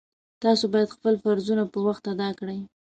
تاسو باید خپل فرضونه په وخت ادا کړئ